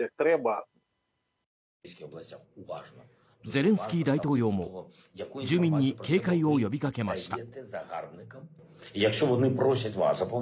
ゼレンスキー大統領も住民に警戒を呼びかけました。